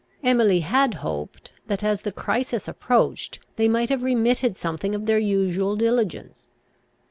Emily had hoped that, as the crisis approached, they might have remitted something of their usual diligence.